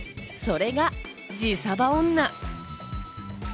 それが自サバ女。